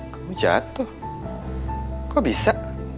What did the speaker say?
kamu jatoh kok bisa